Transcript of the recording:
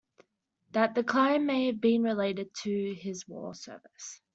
That decline may have been related to his war service.